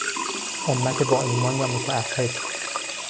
امت با ایمان و متعهد